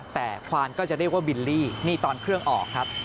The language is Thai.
แต่ควานก็จะเรียกว่าบิลลี่นี่ตอนเครื่องออกครับ